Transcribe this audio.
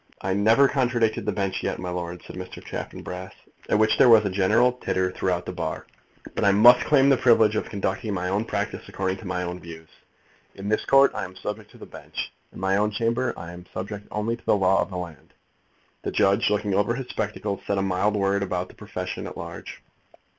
"I never contradicted the Bench yet, my lord," said Mr. Chaffanbrass, at which there was a general titter throughout the bar, "but I must claim the privilege of conducting my own practice according to my own views. In this Court I am subject to the Bench. In my own chamber I am subject only to the law of the land." The judge looking over his spectacles said a mild word about the profession at large.